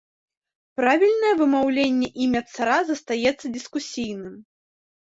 Правільнае вымаўленне імя цара застаецца дыскусійным.